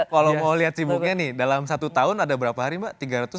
kalau mau lihat sibuknya nih dalam satu tahun ada berapa hari mbak